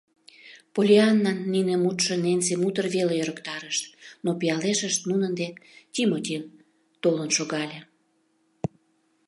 Поллианнан нине мутшо Ненсим утыр веле ӧрыктарышт, но пиалешышт нунын дек Тимоти толын шогале.